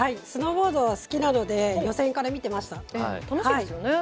スノーボードは好きなので予選から見ていました。